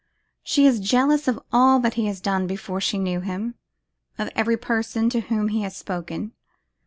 She is jealous of all that he has done before she knew him; of every person to whom he has spoken.